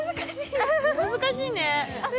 難しいね。